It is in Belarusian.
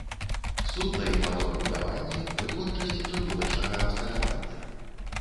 Судна- і маторабудаванне, вытворчасць чыгуначнага абсталявання.